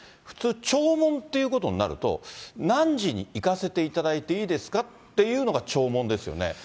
普通、弔問っていうことになると、何時に行かせていただいていいですかっていうのが弔問ですよね。